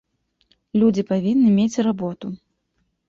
Людзі павінны мець работу.